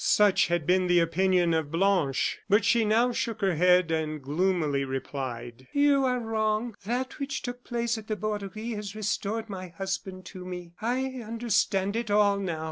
Such had been the opinion of Blanche; but she now shook her head, and gloomily replied: "You are wrong; that which took place at the Borderie has restored my husband to me. I understand it all, now.